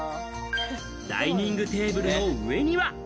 ダイニングテーブルの上には。